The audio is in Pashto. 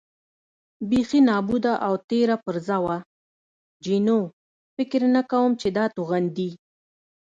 بېخي نابوده او تېره پرزه وه، جینو: فکر نه کوم چې دا توغندي.